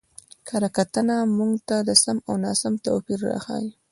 کره کتنه موږ ته د سم او ناسم توپير راښيي.